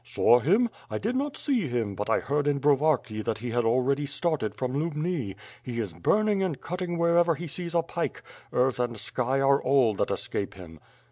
"Saw him? I did not see him, but I heard in Brovarki that he had already started from Lubni. He is burning and cutting wherever he sees a pike. Earth and sky are all that escape him."